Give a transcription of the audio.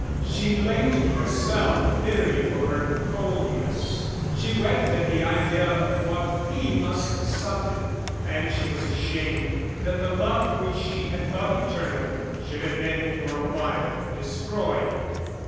She blamed herself bitterly for her coldness, she wept at the idea of what he must have suffered. And she was ashamed that the love which she had thought eternal, should have been for a while destroyed.